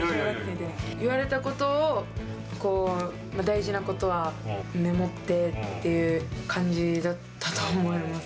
言われたことを、大事なことはメモってっていう感じだったと思います。